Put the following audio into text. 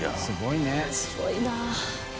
すごいな。